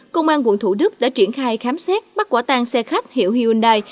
công an quận thủ đức đã triển khai khám xét bắt quả tang xe khách hiệu hyundai